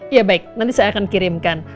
ya baik nanti saya akan kirimkan